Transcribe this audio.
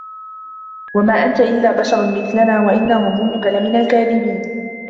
وما أنت إلا بشر مثلنا وإن نظنك لمن الكاذبين